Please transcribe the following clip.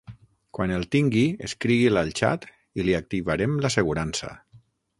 Quan el tingui escrigui'l al xat i li activarem l'assegurança.